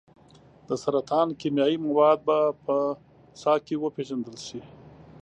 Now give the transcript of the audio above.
د سرطان کیمیاوي مواد به په ساه کې وپیژندل شي.